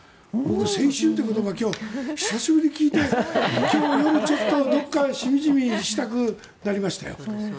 青春という言葉久しぶりに聞いて今日夜、ちょっとどこかでしみじみしたくなりましたよ。